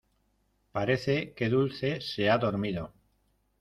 parece que Dulce se ha dormido.